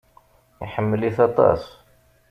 Iḥemmel-it aṭas.